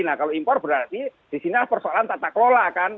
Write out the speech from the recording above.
nah kalau impor berarti disinilah persoalan tata kelola kan